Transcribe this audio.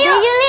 yaudah yuk juli